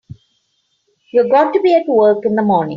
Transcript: You've got to be at work in the morning.